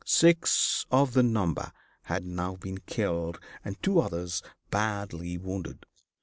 Six of the number had now been killed and two others badly wounded.